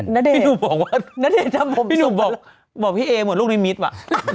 นาเดพี่หนูบอกว่าพี่เอเหมือนลูกนิมิตรว่ะ